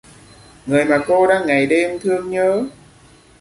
Người mà cô đang ngày đêm thương nhớ